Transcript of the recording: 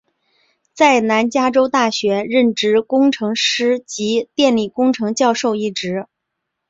在南加州大学任职工程师及电力工程教授一职。